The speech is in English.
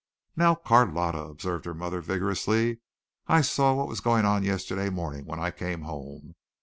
"Now, Carlotta," observed her mother vigorously, "I saw what was going on yesterday morning when I came home.